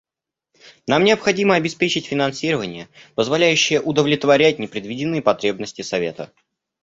Нам необходимо обеспечить финансирование, позволяющее удовлетворять непредвиденные потребности Совета.